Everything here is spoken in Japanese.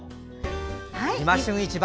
「いま旬市場」